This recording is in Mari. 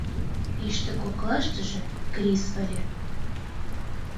Ӱштӧ коклаштыже крис ыле.